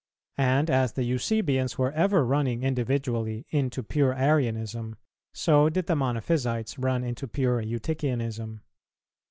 And as the Eusebians were ever running individually into pure Arianism, so did the Monophysites run into pure Eutychianism.